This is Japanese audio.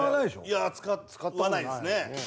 いや使わないですね